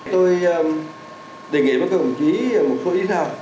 tôi đề nghị với các đồng chí một số ý nào